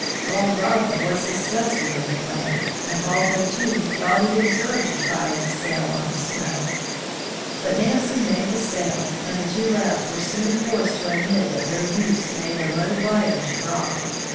Old Ravna was disgusted with the plan, and Balto, too, thought it absurd to try to sail on the snow. But Nansen made the sails, and the two Lapps were soon forced to admit that their use made the load lighter to draw.